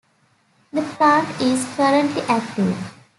The plant is currently active.